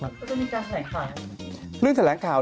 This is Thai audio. ก็ก็จะมีการแข่งข่าว